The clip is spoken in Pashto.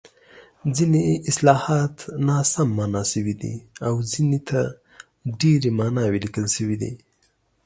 ځیني اصطلاحات ناسم مانا شوي دي او ځینو ته ډېرې ماناوې لیکل شوې دي.